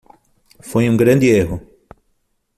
Foi um grande erro.